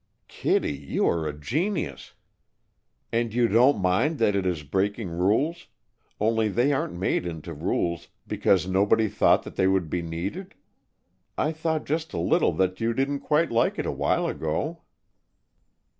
"Kittie, you are a genius!" "And you don't mind that it is breaking rules, only they aren't made into rules, because nobody thought that they would be needed? I thought just a little that you didn't quite like it a while ago!"